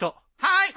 はい！